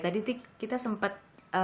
tadi kita sempet